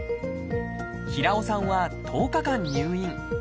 平尾さんは１０日間入院。